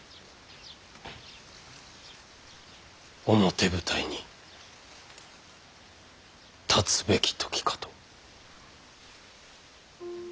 表舞台に立つべき時かと。